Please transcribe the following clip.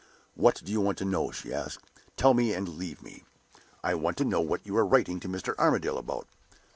"What do you want to know?" she asked. "Tell me, and leave me." "I want to know what you are writing to Mr. Armadale about?"